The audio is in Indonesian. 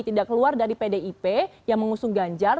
tidak keluar dari pdip yang mengusung ganjar